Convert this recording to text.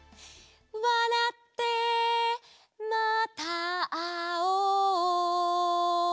「わらってまたあおう」